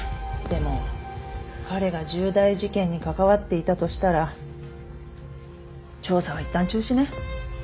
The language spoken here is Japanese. でも彼が重大事件に関わっていたとしたら調査はいったん中止ね。